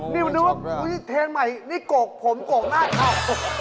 มีลูกนึกว่าทีนใหม่นี่โกกผมโกกหน้าเถ้า